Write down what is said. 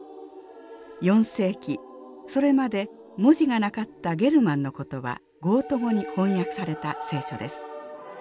４世紀それまで文字がなかったゲルマンの言葉ゴート語に翻訳された聖書です。